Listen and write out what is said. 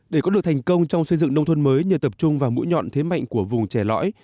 để có được thành công trong xây dựng nông thôn mới nhờ tập trung vào mũi nhọn thế mạnh của vùng trẻ lõi